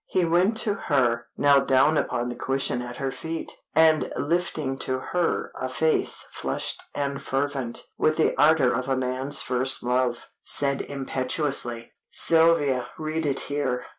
He went to her, knelt down upon the cushion at her feet, and lifting to her a face flushed and fervent with the ardor of a man's first love, said impetuously "Sylvia, read it here!"